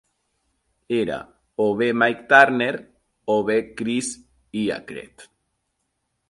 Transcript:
Era o bé Mike Turner o bé Chris Eacrett.